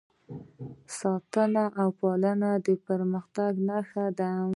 ساتنه او پالنه د پرمختګ نښه ده.